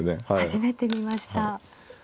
初めて見ました。